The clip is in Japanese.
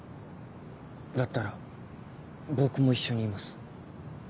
だったら僕も一緒にいます。